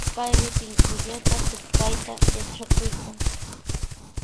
Paymi pinkullata tukayta yatrakuykan.